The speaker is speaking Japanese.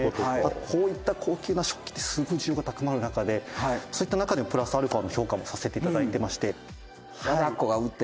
「こういった高級な食器ってすごい需要が高まる中でそういった中でプラスアルファの評価もさせていただいてまして」